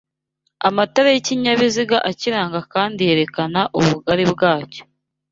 amatara y'ikinyabiziga akiranga kandi yerekana ubugari bwacyo